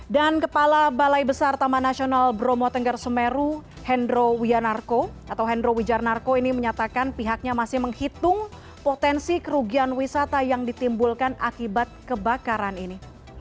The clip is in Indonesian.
dan kepala balai besar taman nasional bromo tenggar semeru hendro wianarko atau hendro wijarnarko ini menyatakan pihaknya masih menghitung potensi kerugian wisata yang ditimbulkan akibat kebakaran ini